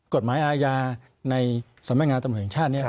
กฎหมายอาญาในสมัยงานตรวจส่วนอีกชาตินี้